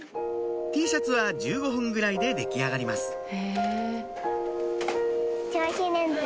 Ｔシャツは１５分ぐらいで出来上がります